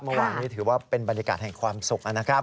เมื่อวานนี้ถือว่าเป็นบรรยากาศแห่งความสุขนะครับ